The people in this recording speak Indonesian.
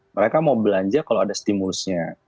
mereka mau belanja kalau ada stimulusnya